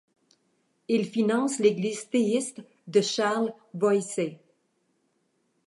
Il finance l'Église théiste de Charles Voysey.